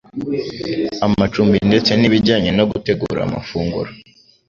amacumbi ndetse n'ibijyanye no gutegura amafunguro.